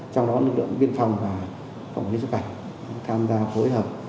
trong đó lực lượng biên phòng và phòng chống cảnh tham gia phối hợp